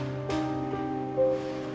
terima kasih pak